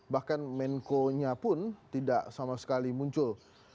bahkan menko nya pun tidak sama sekali muncul